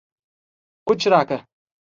کوچ راکړه